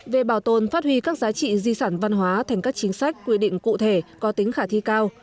về bảo tồn phát huy các giá trị di sản văn hóa thành các chính sách quy định cụ thể có tính khả thi cao